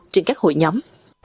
trên các hội nhóm